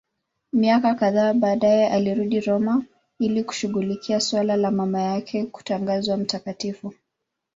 Miaka kadhaa baadaye alirudi Roma ili kushughulikia suala la mama yake kutangazwa mtakatifu.